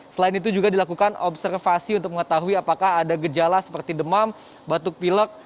selain itu juga dilakukan observasi untuk mengetahui apakah ada gejala seperti demam batuk pilek